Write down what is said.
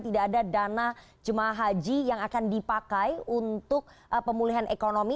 tidak ada dana jemaah haji yang akan dipakai untuk pemulihan ekonomi